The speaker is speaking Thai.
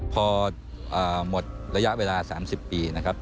พอหมดระยะเวลา๓๐ปีนะครับ